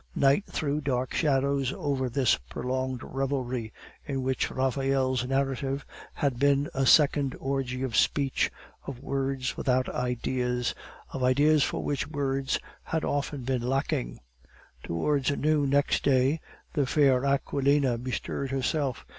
Night threw dark shadows over this prolonged revelry, in which Raphael's narrative had been a second orgy of speech, of words without ideas, of ideas for which words had often been lacking. Towards noon, next day, the fair Aquilina bestirred herself.